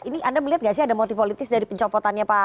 ini anda melihat nggak sih ada motif politis dari pencopotannya pak